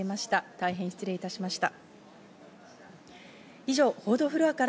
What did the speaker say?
大変失礼いたしました。